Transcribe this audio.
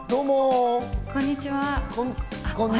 こんにちは。